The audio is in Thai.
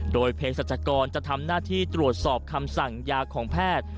โดยเพศรัชกรจะทำหน้าที่ตรวจสอบคำสั่งยาของแพทย์